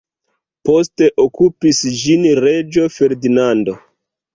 Poste okupis ĝin reĝo Ferdinando.